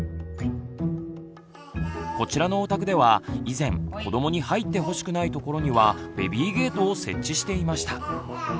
こちらのお宅では以前子どもに入ってほしくない所にはベビーゲートを設置していました。